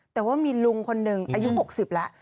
แต่ว่ามีลุงคนหนึ่งอายุ๖๐แล้ว